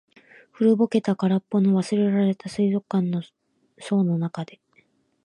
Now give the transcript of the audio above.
古ぼけた、空っぽの、忘れられた水族館の槽の中で。